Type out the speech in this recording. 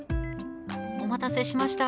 お待たせしました。